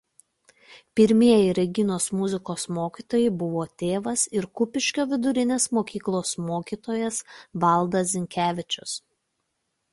Pirmieji Reginos muzikos mokytojai buvo tėvas ir Kupiškio vidurinės mokyklos mokytojas Vladas Zinkevičius.